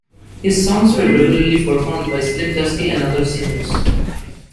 His songs were regularly performed by Slim Dusty and other singers.